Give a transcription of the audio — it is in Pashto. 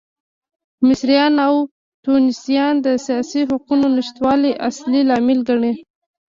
مصریان او ټونسیان د سیاسي حقونو نشتوالی اصلي لامل ګڼي.